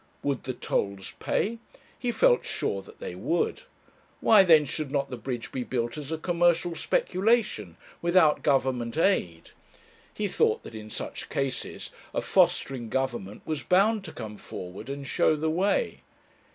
Would the tolls pay? He felt sure that they would. Why, then, should not the bridge be built as a commercial speculation, without Government aid? He thought that in such cases a fostering Government was bound to come forward and show the way.